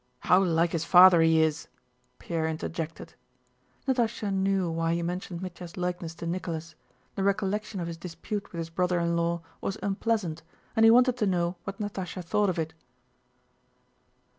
"How like his father he is," Pierre interjected. Natásha knew why he mentioned Mítya's likeness to Nicholas: the recollection of his dispute with his brother in law was unpleasant and he wanted to know what Natásha thought of it.